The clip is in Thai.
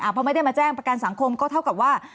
พอไม่ได้มาแจ้งประกันสังคมก็เท่ากับว่า